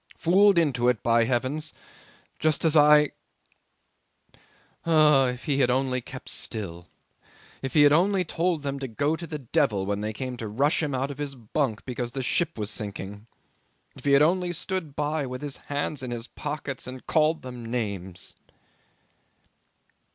Fooled into it, by heavens! just as I ... Ah! If he had only kept still; if he had only told them to go to the devil when they came to rush him out of his bunk because the ship was sinking! If he had only stood by with his hands in his pockets and called them names!"